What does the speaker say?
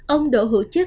ông đỗ hữu chức